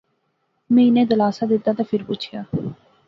میں انیں دلاسا دتہ تہ فیر پچھیا